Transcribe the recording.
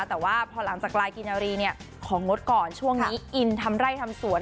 แต่ว่าพอหลังจากลายกินนารีเนี่ยของงดก่อนช่วงนี้อินทำไร่ทำสวน